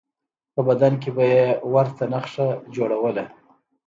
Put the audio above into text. په بدن به یې ورته نښه جوړوله.